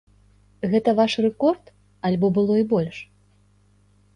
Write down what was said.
Гэта ваш рэкорд альбо было і больш?